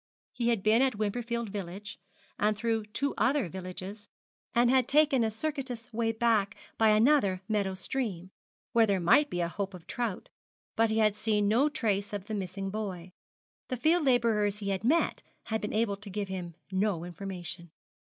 He had been at Wimperfield village, and through two other villages, and had taken a circuitous way back by another meadow stream, where there might be a hope of trout; but he had seen no trace of the missing boy. The field labourers he had met had been able to give him no information.